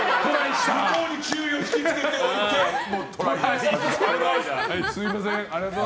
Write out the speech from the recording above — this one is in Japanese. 向こうに注意をひきつけておいて、トライ。